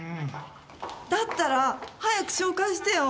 だったら早く紹介してよ。